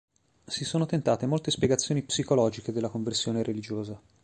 Si sono tentate molte spiegazioni psicologiche della conversione religiosa.